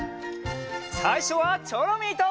さいしょはチョロミーと！